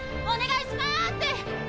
お願いします！！